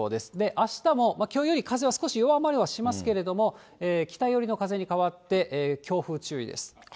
あしたもきょうより風は少し弱まりはしますけれども、北寄りの風に変わって強風注意です。